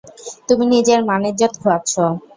তুমি নিজের মান-ইজ্জত খোয়াচ্ছো।